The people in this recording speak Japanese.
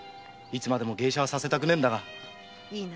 いつまでも芸者はさせたくねえんだが